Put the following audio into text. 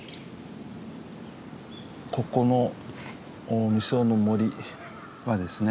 ここの実生の森はですね